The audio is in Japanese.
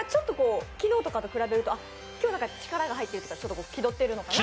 昨日とかと比べると今日、力が入ってるというか気取ってるのかなと。